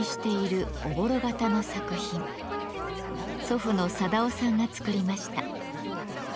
祖父の貞男さんが作りました。